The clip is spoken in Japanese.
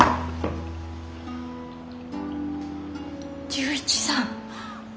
・龍一さん。